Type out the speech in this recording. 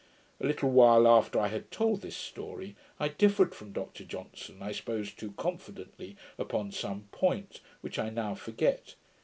A little while after I had told this story, I differed from Dr Johnson, I suppose too confidently, upon some point, which I now forget.